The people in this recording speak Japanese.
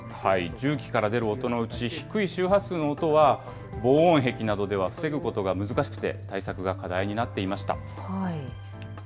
重機から出る音のうち、低い周波数の音は、防音壁などでは防ぐことが難しくて、対策が課題になっていました。